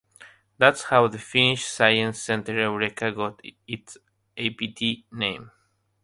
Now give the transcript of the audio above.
That's how the Finnish Science Centre Heureka got its apt name!